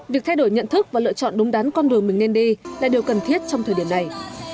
việc thay đổi nhận thức và lựa chọn đúng đán con đường mình nên đi là điều cần thiết trong thời điểm này